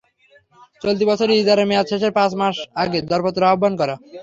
চলতি বছরের ইজারার মেয়াদ শেষের পাঁচ মাস আগে দরপত্র আহ্বান করা।